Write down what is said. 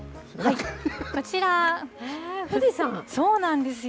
そうなんですよ。